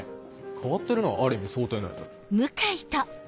変わってるのはある意味想定内だろ。